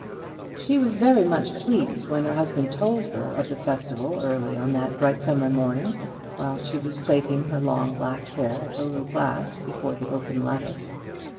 She was very much pleased when her husband told her of the festival early on that bright summer morning, while she was plaiting her long black hair at the little glass before the open lattice.